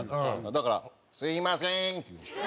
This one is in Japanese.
だから「スミマセン！」って言うんですよ。